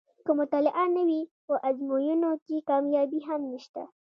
که مطالعه نه وي په ازموینو کې کامیابي هم نشته.